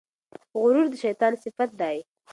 غرور د شیطان صفت دی.